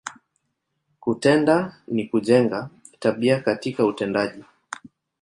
Kutenda, ni kujenga, tabia katika utendaji.